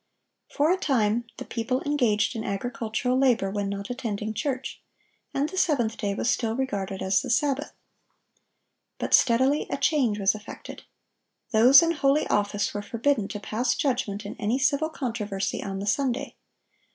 For a time the people engaged in agricultural labor when not attending church, and the seventh day was still regarded as the Sabbath. But steadily a change was effected. Those in holy office were forbidden to pass judgment in any civil controversy on the Sunday.